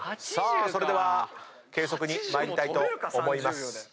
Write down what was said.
さあそれでは計測に参りたいと思います。